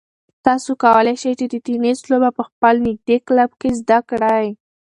تاسو کولای شئ چې د تېنس لوبه په خپل نږدې کلب کې زده کړئ.